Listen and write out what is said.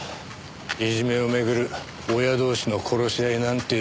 いじめをめぐる親同士の殺し合いなんてよ。